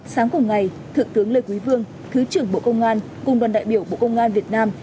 sáng cùng ngày thượng tướng lê quý vương thứ trưởng bộ công an cùng đoàn đại biểu bộ công an việt nam